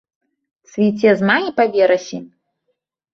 Цвіце з мая па верасень.